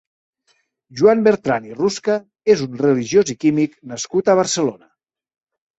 Joan Bertran i Rusca és un religiós i químic nascut a Barcelona.